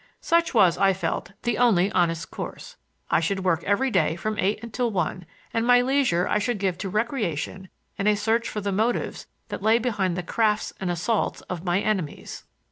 Such was, I felt, the only honest course. I should work every day from eight until one, and my leisure I should give to recreation and a search for the motives that lay behind the crafts and assaults of my enemies.